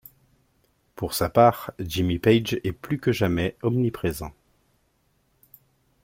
Pour sa part, Jimmy Page est plus que jamais omniprésent.